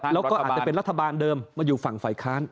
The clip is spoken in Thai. แล้วก็เป็นรัฐบาลเดิมมาอยู่ฝั่งไฝฟ้าคล้าน